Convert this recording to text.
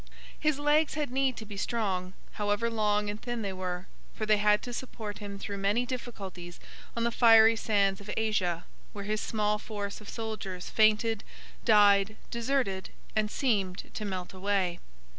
His legs had need to be strong, however long and thin they were; for they had to support him through many difficulties on the fiery sands of Asia, where his small force of soldiers fainted, died, deserted, and seemed to melt away.